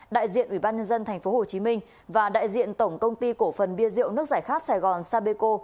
đại diện ủy ban nhân dân tp hcm và đại diện tổng công ty cổ phần bia rượu nước giải khát sài gòn sapeco